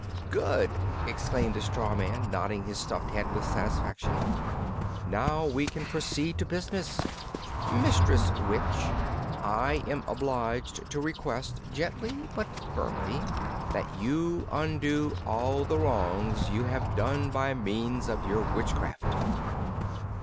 "Good!" exclaimed the straw man, nodding his stuffed head with satisfaction. "Now we can proceed to business. Mistress Witch, I am obliged to request, gently but firmly, that you undo all the wrongs you have done by means of your witchcraft."